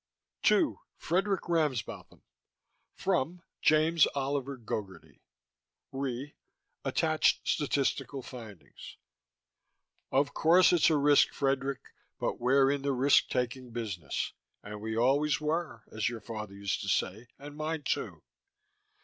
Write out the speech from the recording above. TO: Fredk. Ramsbotham FROM: James Oliver Gogarty RE: Attached statistical findings ... Of course it's a risk, Frederick, but we're in the risk taking business, and we always were, as your father used to say, and mine too.